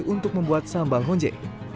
untuk membuat sambal honje